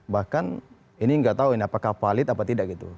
bahkan ini nggak tahu ini apakah valid apa tidak gitu